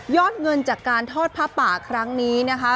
ยอดเงินจากการฮอสภาปป่าครั้งนี้นะคะ